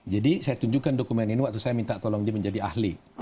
jadi saya tunjukkan dokumen ini waktu saya minta tolong dia menjadi ahli